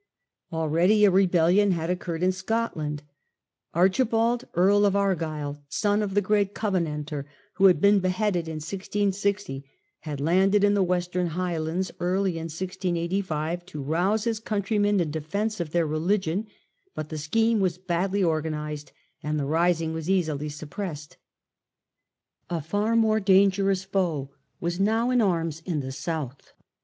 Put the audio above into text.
Already a rebellion had occurred in Scotland. Archi bald Earl of Argyle, son of the great Covenanter who had The rising of ^^^" beheaded in 1660, had landed in the Monmoutk. Western Highlands early in 1685 to rouse June, X685. j^jg countrymen in defence of their religion; but the scheme was badly organized, and the rising was easily suppressed. A far more dangerous foe was now in arms in the South.